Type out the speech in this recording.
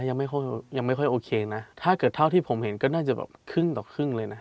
ยังไม่ค่อยยังไม่ค่อยโอเคนะถ้าเกิดเท่าที่ผมเห็นก็น่าจะแบบครึ่งต่อครึ่งเลยนะ